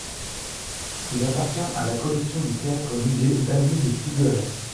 Il appartient à la collection du Théâtre-musée Dalí de Figueres.